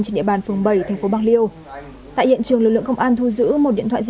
trên địa bàn phường bảy thành phố bạc liêu tại hiện trường lực lượng công an thu giữ một điện thoại di